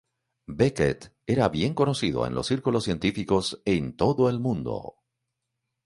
Beckett era bien conocido en los círculos científicos en todo el mundo.